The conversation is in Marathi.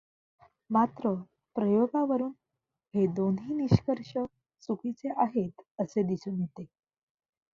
मात्र प्रयोगावरून हे दोन्ही निष्कर्ष चुकीचे आहेत असे दिसून येते.